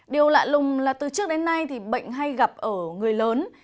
điều lạ lùng là từ trước đến nay thì bệnh hay gặp ở người lớn